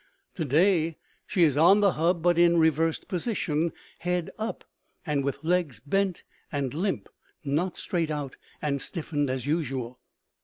To day she is on the hub, but in reversed position [head up], and with legs bent and limp, not straight out and stiffened as usual.